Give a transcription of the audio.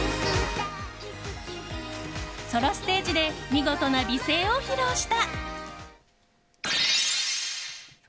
ソロステージで見事な美声を披露した。